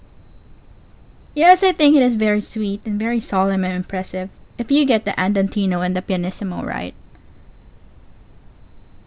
Pause. Yes, I think it_ is_ very sweet and very solemn and impressive, if you get the andantino and the pianissimo right.